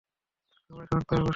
সবাই শক্ত হয়ে বসুন।